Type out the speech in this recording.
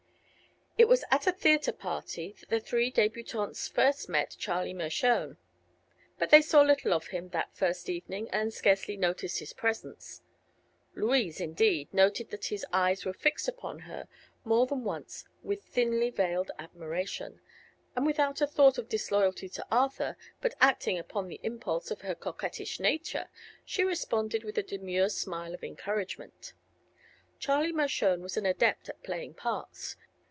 It was at a theatre party that the three debutantes first met Charlie Mershone, but they saw little of him that first evening and scarcely noticed his presence. Louise, indeed, noted that his eyes were fixed upon her more than once with thinly veiled admiration, and without a thought of disloyalty to Arthur, but acting upon the impulse of her coquettish nature, she responded with a demure smile of encouragement. Charlie Mershone was an adept at playing parts.